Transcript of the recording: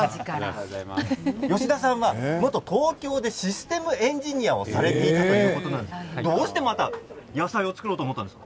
吉田さんは元東京でシステムエンジニアをされていたということなんですがどうしてまた野菜を作ろうと思ったんですか。